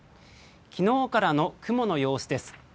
昨日からの雲の様子です。